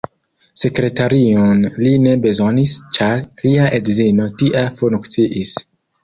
Sekretarion li ne bezonis, ĉar lia edzino tia funkciis.